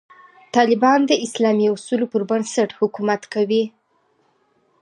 طالبان د اسلامي اصولو پر بنسټ حکومت کوي.